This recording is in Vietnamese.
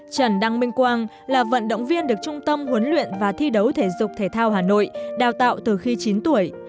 trần đăng minh quang là vận động viên được trung tâm huấn luyện và thi đấu thể dục thể thao hà nội đào tạo từ khi chín tuổi